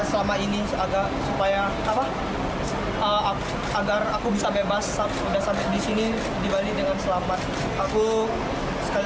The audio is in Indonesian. selama ini agar supaya apa agar aku bisa bebas sampai disini dibali dengan selamat aku sekali